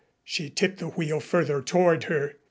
She tipped the wheel further toward her.